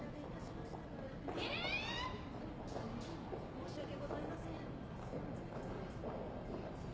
⁉申し訳ございません。